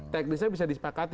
teknisnya bisa disepakati